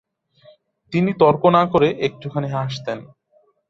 তিনি তর্ক না করে একটুখানি হাসতেন।